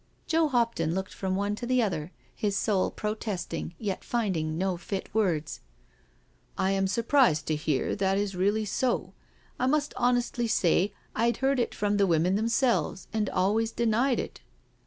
Joe Hopton looked from one to the other, his soul protesting yet finding no fit words. " I am surprised to hear that is really so — I must honestly say I'd heard it from the women themselves and always denied it."